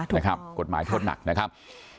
นะครับกฎหมายโทษหนักนะครับ